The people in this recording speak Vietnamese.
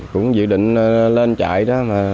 cũng dự định lên chạy đó